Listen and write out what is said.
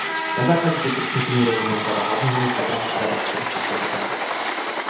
Na základě těchto usnesení rozhodnou Rada hlavního města Prahy a Rada Středočeského kraje.